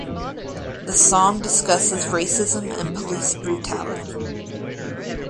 The song discusses racism and police brutality.